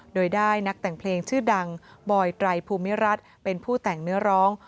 โดยได้นักแต่งเพลงชื่อดังบอยไตรภูมิรัฐเป็นผู้แต่งเนื้อร้อง